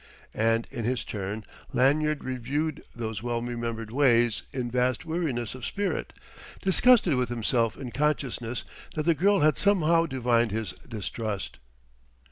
And in his turn, Lanyard reviewed those well remembered ways in vast weariness of spirit disgusted with himself in consciousness that the girl had somehow divined his distrust....